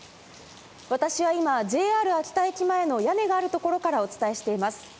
私は今、ＪＲ秋田駅前の屋根がある所からお伝えしています。